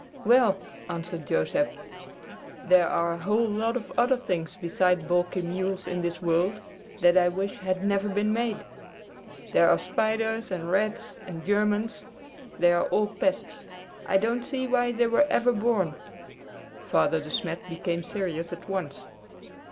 "Well," answered Joseph, "there are a whole lot of other things beside balky mules in this world that I wish had never been made. There are spiders, and rats, and Germans. They are all pests. I don't see why they were ever born." Father De Smet became serious at once.